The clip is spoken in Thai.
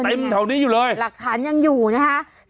เออนี่ไงหลักฐานยังอยู่นะคะเป็นเท่านี้อยู่เลย